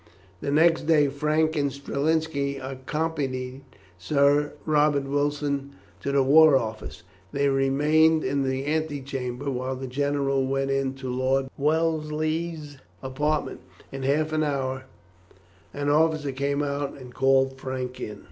The next day Frank and Strelinski accompanied Sir Robert Wilson to the War Office. They remained in the ante chamber while the general went in to Lord Wellesley's apartments. In half an hour an officer came out and called Frank in.